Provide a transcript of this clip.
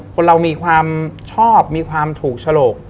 คนเรามีความชอบมีความถูกฉลก